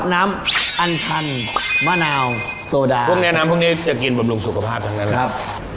นาวโซดาพรุ่งแนะนำพรุ่งนี้จะกินบำรุงสุขภาพทั้งนั้นนะครับ